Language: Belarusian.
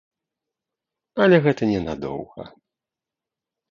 Але гэта не надоўга.